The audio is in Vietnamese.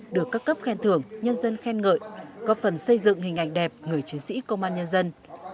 được các cấp khen thưởng nhân dân khen ngợi góp phần xây dựng hình ảnh đẹp người chiến sĩ công an nhân dân